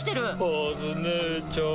カズ姉ちゃん。